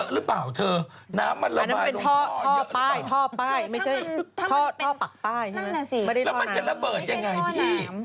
เราก็อ่านให้ไปเราก็พูดไป